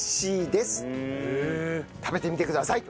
食べてみてください。